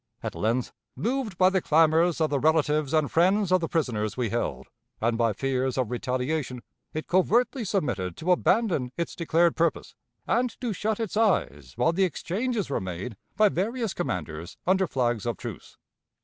At length, moved by the clamors of the relatives and friends of the prisoners we held, and by fears of retaliation, it covertly submitted to abandon its declared purpose, and to shut its eyes while the exchanges were made by various commanders under flags of truce.